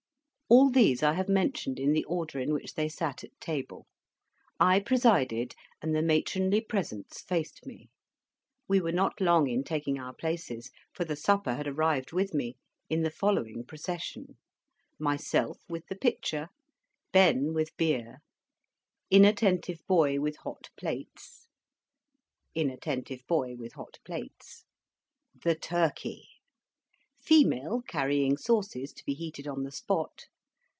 All these I have mentioned in the order in which they sat at table. I presided, and the matronly presence faced me. We were not long in taking our places, for the supper had arrived with me, in the following procession: Myself with the pitcher. Ben with Beer. Inattentive Boy with hot plates. Inattentive Boy with hot plates. THE TURKEY. Female carrying sauces to be heated on the spot.